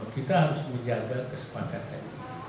kita harus menjaga kesepakatan